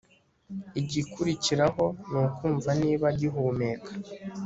igikurikiraho ni ukumva niba agihumeka